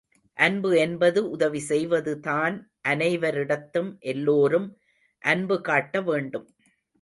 அன்பு என்பது உதவி செய்வதுதான் அனைவரிடத்தும் எல்லோரும் அன்பு காட்ட வேண்டும்.